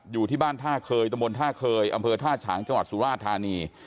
อยู่ที่บ้านท่าเคยตะบนท่าเคยอำเภอท่าฉางจังหวัดสุราธานี